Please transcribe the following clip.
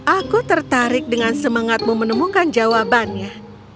aku tertarik dengan semangatmu menemukan jawabannya